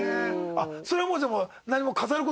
それはもうじゃあ何も。